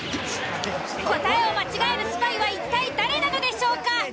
答えを間違えるスパイは一体誰なのでしょうか？